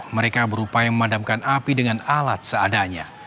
mereka berupaya memadamkan api dengan alat seadanya